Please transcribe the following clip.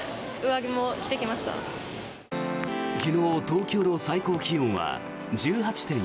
昨日、東京の最高気温は１８．４度。